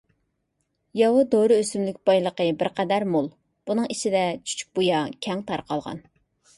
ياۋا دورا ئۆسۈملۈك بايلىقى بىرقەدەر مول، بۇنىڭ ئىچىدە چۈچۈكبۇيا كەڭ تارقالغان.